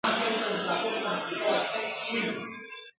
له آفته د بازانو په امان وي !.